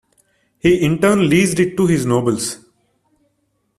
He in turn leased it to his nobles.